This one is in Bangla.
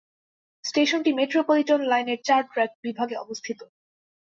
স্টেশনটি মেট্রোপলিটান লাইনের চার-ট্র্যাক বিভাগে অবস্থিত।